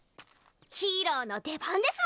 ヒーローの出番です